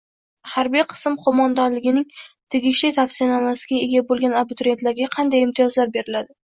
Harbiy qism qo‘mondonligining tegishli tavsiyanomasiga ega bo‘lgan abituriyentlarga qanday imtiyozlar beriladi?